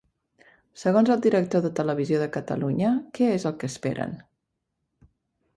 Segons el director de Televisió de Catalunya, què és el que esperen?